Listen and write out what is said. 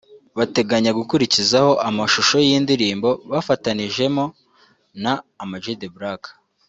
bateganya gukurikizaho amashusho y’indirimbo bafatanijemo na Ama-G The Black